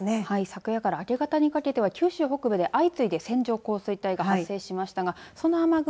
昨夜から明け方にかけては九州北部で相次いで線状降水帯が発生しましたがその雨雲